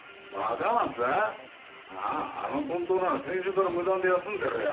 あぁあのトントロなら先週から無断で休んでるよ。